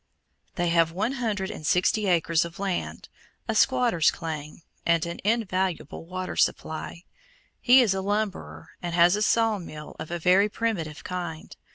They have one hundred and sixty acres of land, a "Squatter's claim," and an invaluable water power. He is a lumberer, and has a saw mill of a very primitive kind.